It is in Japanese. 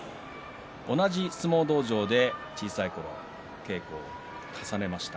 同じ相撲道場で小さいころ稽古を重ねました。